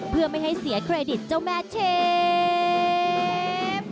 เพื่อไม่ให้เสียเครดิตเจ้าแม่เชฟ